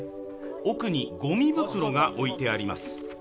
奥にごみ袋が置いてあります。